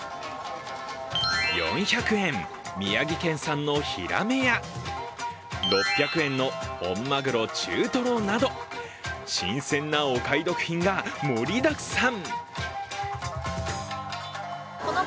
４００円、宮城県産のひらめや６００円の本まぐろ中トロなど新鮮なお買い得品が盛りだくさん。